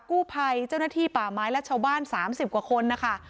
กู้ภัยเจ้าหน้าที่ป่าไม้และชาวบ้าน๓๐กว่าคนนะคะ